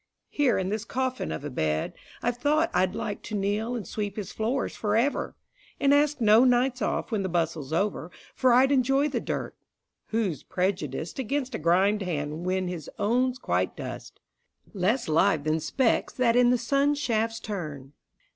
Here in this coffin of a bed, I've thought I'd like to kneel and sweep his floors for ever, And ask no nights off when the bustle's over, For I'd enjoy the dirt; who's prejudiced Against a grimed hand when his own's quite dust, Less live than specks that in the sun shafts turn?